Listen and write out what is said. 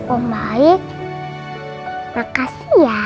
om baik makasih ya